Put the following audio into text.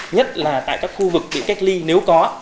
nhất là tại các khu vực bị cách ly nếu có